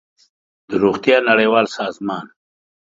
د روغتیا نړیوال سازمان